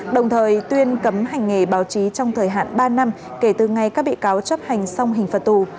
đồng thời tuyên cấm hành nghề báo chí trong thời hạn ba năm kể từ ngày các bị cáo chấp hành xong hình phạt tù